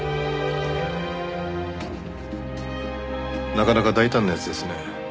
なかなか大胆な奴ですね。